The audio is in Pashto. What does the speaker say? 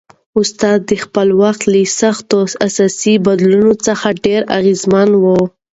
استاد د خپل وخت له سختو سیاسي بدلونونو څخه ډېر اغېزمن و.